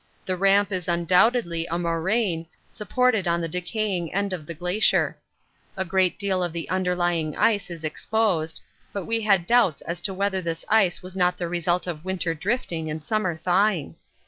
The Ramp is undoubtedly a moraine supported on the decaying end of the glacier. A great deal of the underlying ice is exposed, but we had doubts as to whether this ice was not the result of winter drifting and summer thawing.